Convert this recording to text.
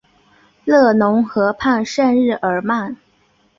勒农河畔圣日耳曼。